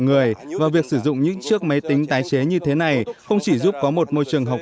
người và việc sử dụng những chiếc máy tính tái chế như thế này không chỉ giúp có một môi trường học